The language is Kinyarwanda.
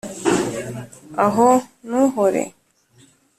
aho nu uhore,